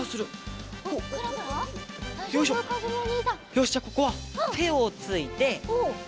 よしじゃあここはてをついて。